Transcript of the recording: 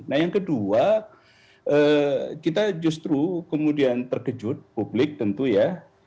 nah yang kedua kita justru kemudian terkejut publik tentu ya